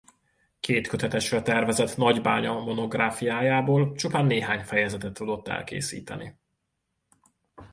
Kétkötetesre tervezett Nagybánya-monográfiájából csupán néhány fejezetet tudott elkészíteni.